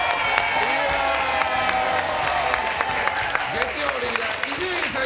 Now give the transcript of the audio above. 月曜レギュラーの伊集院さん